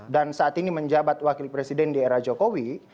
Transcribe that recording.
dan saat ini menjabat wakil presiden di era jokowi